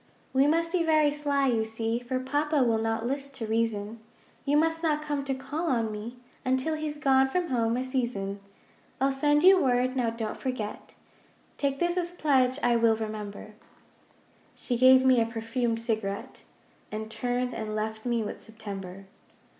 'We must be very sly, you see, For Papa will not list to reason. You must not come to call on me Until he's gone from home a season. 'I'll send you word, now don't forget, Take this as pledge, I will remember.' She gave me a perfumed cigarette, And turned and left me with September.